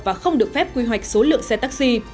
và không được phép quy hoạch số lượng xe taxi